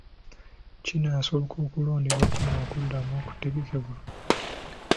Kinaasoboka okulondebwa kuno okuddamu okutegekebwa?